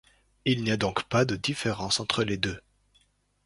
Il n'y a donc pas de différence entre les deux.